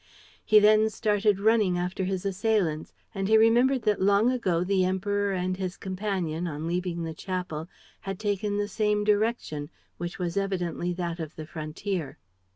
He then started running after his assailants; and he remembered that long ago the Emperor and his companion, on leaving the chapel, had taken the same direction, which was evidently that of the frontier.